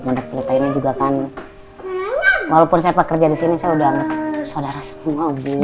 ya yang ada di pendek pendek ini juga kan walaupun saya pekerja di sini saya sudah anggap saudara semua bu